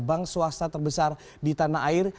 bank swasta terbesar di tanah air